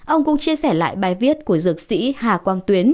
ông cũng chia sẻ lại bài viết của dược sĩ hà quang tuyến